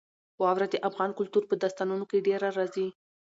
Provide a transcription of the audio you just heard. واوره د افغان کلتور په داستانونو کې ډېره راځي.